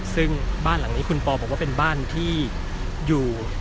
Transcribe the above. ซึ่งบ้านหลังนี้คุณปอบอกว่าเป็นบ้านที่อยู่